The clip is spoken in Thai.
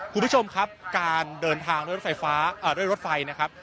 คุณผู้ชมครับการเดินทางด้วยรถไฟฟ้าด้วยรถไฟนะครับ